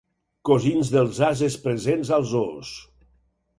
Cosins dels ases presents als zoos.